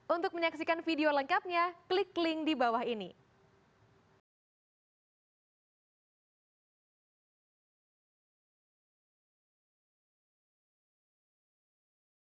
untuk menyaksikan video lengkapnya klik link di bawah ini